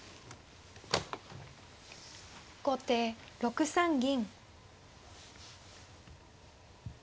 後手６三銀。